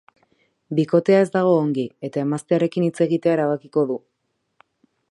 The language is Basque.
Bikotea ez dago ongi, eta emaztearekin hitz egitea erabakiko du.